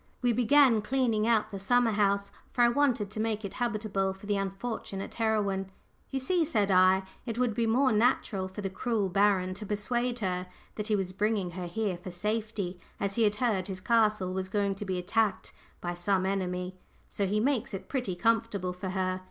We began cleaning out the summer house, for I wanted to make it habitable for the unfortunate heroine. "You see," said I, "it would be more natural for the cruel baron to persuade her that he was bringing her here for safety, as he had heard his castle was going to be attacked by some enemy; so he makes it pretty comfortable for her.